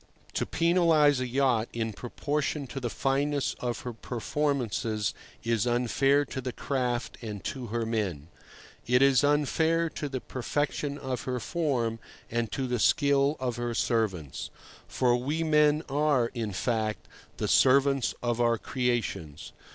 To penalize a yacht in proportion to the fineness of her performance is unfair to the craft and to her men. It is unfair to the perfection of her form and to the skill of her servants. For we men are, in fact, the servants of our creations.